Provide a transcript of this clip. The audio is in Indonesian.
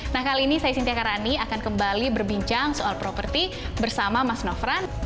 nah kali ini saya sintia karani akan kembali berbincang soal properti bersama mas nofran